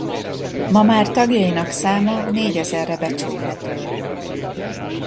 Ma már tagjainak száma négyezerre becsülhető.